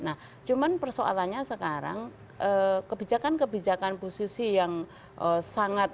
nah cuman persoalannya sekarang kebijakan kebijakan bu susi yang sangat